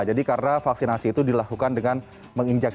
jadi karena vaksinasi itu dilakukan dengan menginjeksi